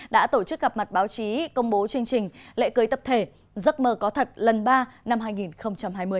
đã tổ chức gặp mặt báo chí công bố chương trình lễ cưới tập thể giấc mơ có thật lần ba năm hai nghìn hai mươi